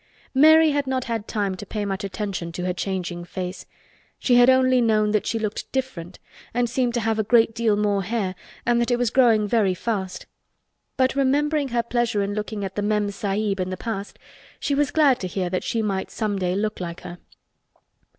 Mary had not had time to pay much attention to her changing face. She had only known that she looked "different" and seemed to have a great deal more hair and that it was growing very fast. But remembering her pleasure in looking at the Mem Sahib in the past she was glad to hear that she might some day look like her.